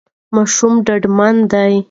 ماشوم ډاډمن دی.